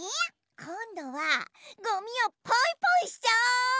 こんどはごみをポイポイしちゃおう！